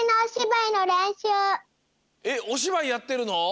えっおしばいやってるの？